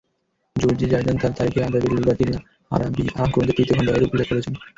জুরজী যায়দান তার তারীখে আদাবিল লুগাতিল আরাবিয়্যাহ গ্রন্থের তৃতীয় খণ্ডে এরূপ উল্লেখ করেছেন।